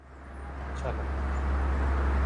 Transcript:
اچھا لگا